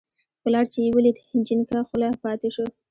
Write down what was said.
پلار چې یې ولید، جینګه خوله پاتې شو.